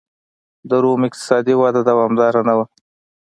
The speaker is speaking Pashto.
د روم اقتصادي وده دوامداره نه وه.